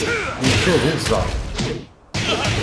Yeččur d iẓẓan.